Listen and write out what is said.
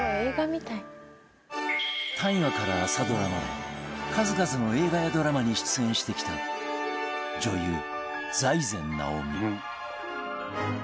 大河から朝ドラまで数々の映画やドラマに出演してきた女優財前直見